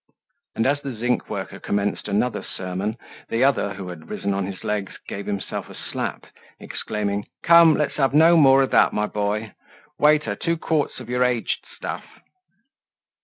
And as the zinc worker commenced another sermon, the other, who had risen on his legs, gave himself a slap, exclaiming: "Come, let's have no more of that, my boy! Waiter, two quarts of your aged stuff!"